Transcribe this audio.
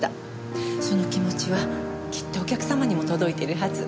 その気持ちはきっとお客様にも届いているはず。